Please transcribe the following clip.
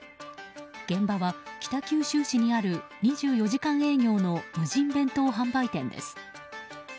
現場は北九州市にある２４時間営業の無人弁当販売店です。